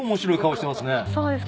そうです。